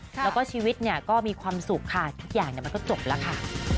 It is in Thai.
แล้วก็ชีวิตเนี่ยก็มีความสุขค่ะทุกอย่างมันก็จบแล้วค่ะ